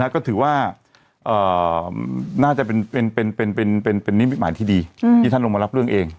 ก็ถือว่าน่าจะเป็นนิมิตหมายที่ดีที่ท่านลงมารับเรื่องเอง